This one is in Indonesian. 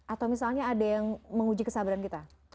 atau misalnya ada yang menguji kesabaran kita